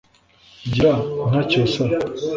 gira inka cyusa